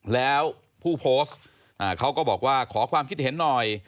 แล้วผู้โพสต์เขาก็บอกว่าขอความคิดเห็นหน่อย